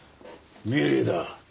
命令だ。